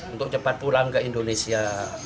untuk cepat pulang ke indonesia